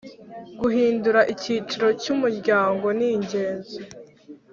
Guhindura icyicaro cy Umuryango ningenzi